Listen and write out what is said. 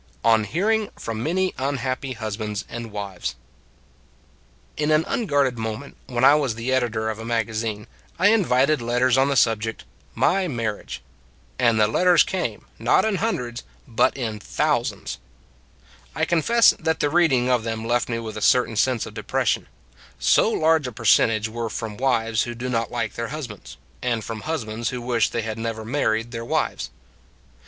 ON HEARING FROM MANY UNHAPPY HUSBANDS AND WIVES IN an unguarded moment, when I was the editor of a magazine, I invited let ters on the subject "My Marriage"; and the letters came, not in hundreds, but in thousands. I confess that the reading of them left me with a certain sense of depression so large a percentage were from wives who do not like their husbands, and from husbands who wish they had never married their wives.